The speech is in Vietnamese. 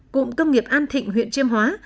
cụm công nghiệp an thịnh huyện chiêm hóa